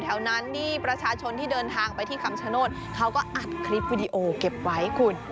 เอาเลขอะไรคุณเลขอะไร